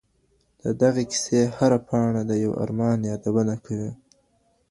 د دغي کیسې هره پاڼه د یو ارمان یادونه کوي.